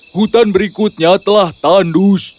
hutan berikutnya telah tandus